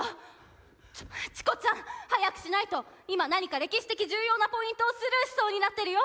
チコちゃん！早くしないと今何か歴史的重要なポイントをスルーしそうになってるよ。